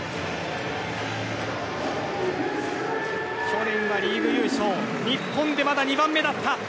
去年はリーグ優勝日本でまだ２番目だった。